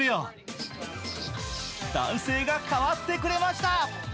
男性が代わってくれました。